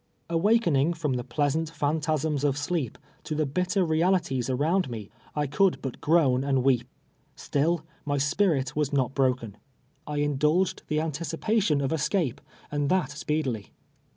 Awakening fr om the pleasant ])hantasms of sleep to the bitter realities around me, I could but groan and weep. Still my spirit v.as not broken. I indulged the antici})ation of escape, and that speedily.